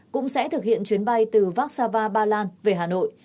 cũng sẽ thực hiện chuyến bay từ vác sa va ba lan về hà nội